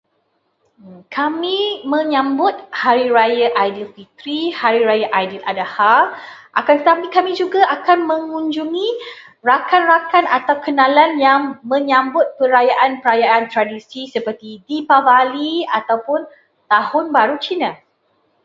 Kami menyambut Hari Raya Aidilfitri, Hari Raya Aidiladha, akan tetapi kami juga akan mengunjungi rakan-rakan atau kenalan yang menyambut perayaan tradisi seperti Depavali ataupun Tahun Baru Cina.